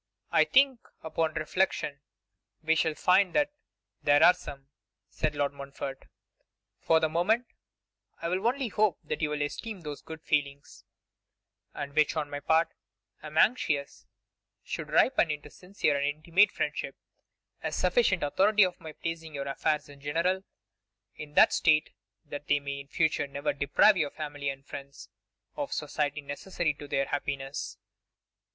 'I think, upon reflection, we shall find that there are some,' said Lord Montfort. 'For the moment I will only hope that you will esteem those good feelings, and which, on my part, I am anxious should ripen into sincere and intimate friendship, as sufficient authority for my placing your affairs in general in that state that they may in future never deprive your family and friends of society necessary to their happiness.